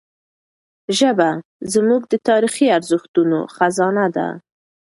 ژبه زموږ د تاریخي ارزښتونو خزانه ده.